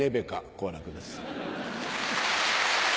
好楽です。